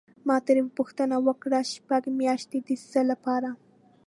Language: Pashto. ما ترې پوښتنه وکړه: شپږ میاشتې د څه لپاره؟